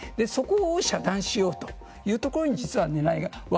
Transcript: そこを遮断しようというところに実は狙いがある。